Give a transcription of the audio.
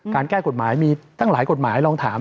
แก้กฎหมายมีตั้งหลายกฎหมายลองถาม